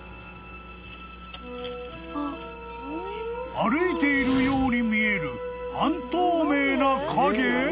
［歩いているように見える半透明な影？］